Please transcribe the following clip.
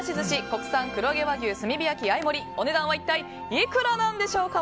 国産黒毛和牛炭火焼合盛りのお値段は一体いくらなんでしょうか。